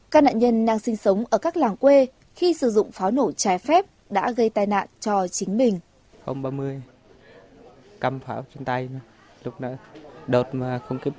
các nạn nhân đang sinh sống ở các làng quê khi sử dụng pháo nổ trái phép đã gây tai nạn cho chính mình